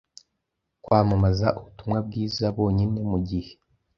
kwamamaza ubutumwa bwiza bonyine mu gihe